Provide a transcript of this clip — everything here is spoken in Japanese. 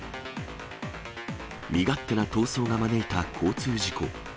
身勝手な逃走が招いた交通事故。